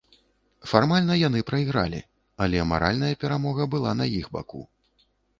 Фармальна яны прайгралі, але маральная перамога была на іх баку.